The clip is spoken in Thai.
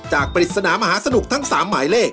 ปริศนามหาสนุกทั้ง๓หมายเลข